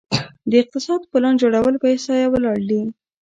د اقتصاد پلان جوړول په احصایه ولاړ دي؟